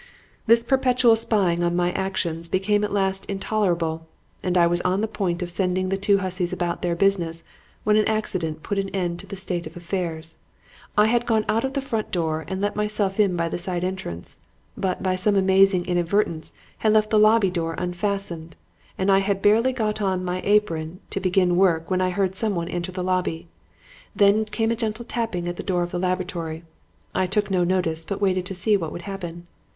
"This perpetual spying on my actions became at last intolerable and I was on the point of sending the two hussies about their business when an accident put an end to the state of affairs. I had gone out of the front door and let myself in by the side entrance, but, by some amazing inadvertence, had left the lobby door unfastened; and I had barely got on my apron to begin work when I heard someone enter the lobby. Then came a gentle tapping at the door of the laboratory. I took no notice, but waited to see what would happen.